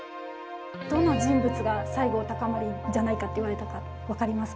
どの人物が西郷隆盛じゃないかっていわれたか分かりますか？